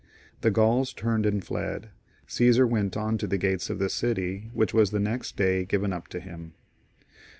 The Gauls turned and fled. Caesar went on to the gates of the city, which was the next day given up to him.